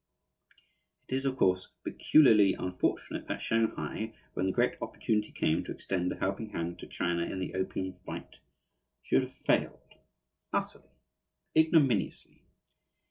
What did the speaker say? It is of course peculiarly unfortunate that Shanghai, when the great opportunity came to extend a helping hand to China in the opium fight, should have failed, utterly, ignominiously.